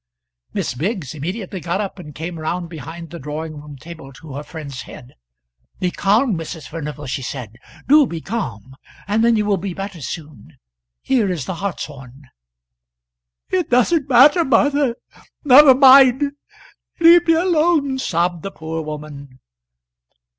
Miss Biggs immediately got up and came round behind the drawing room table to her friend's head. "Be calm, Mrs. Furnival," she said; "do be calm, and then you will be better soon. Here is the hartshorn." "It doesn't matter, Martha: never mind: leave me alone," sobbed the poor woman.